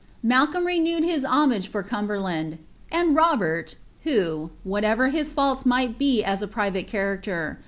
Malcolm re newed his homage for Cumbprlund ; anil Itoherl, who, whatever liis fniills might be as a privnie characier.